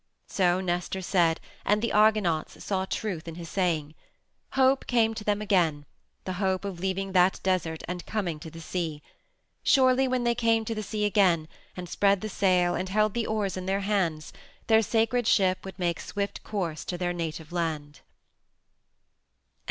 So Nestor said and the Argonauts saw truth in his saying. Hope came to them again the hope of leaving that desert and coming to the sea. Surely when they came to the sea again, and spread the sail and held the oars in their hands, their sacred ship would make swift course to their native land!